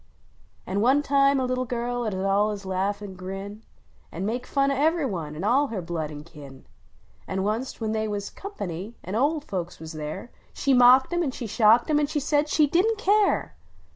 An one time a little girl ud allus laugh an grin. An make fun of ever one. an all her blood an kin ; An onc t, when they was "company," an olc folks was there, She mocked em an shocked cm. an said she didn t care!